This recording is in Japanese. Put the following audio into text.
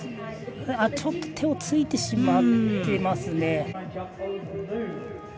ちょっと手をついてしまってますね。